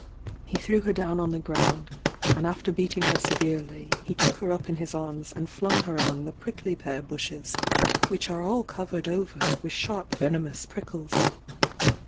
He threw her down on the ground, and after beating her severely, he took her up in his arms and flung her among the prickly pear bushes, which are all covered over with sharp venomous prickles.